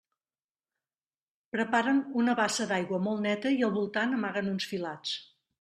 Preparen una bassa d'aigua molt neta i al voltant amaguen uns filats.